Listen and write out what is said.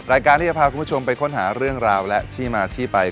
รายการที่จะพาคุณผู้ชมไปค้นหาเรื่องราวและที่มาที่ไป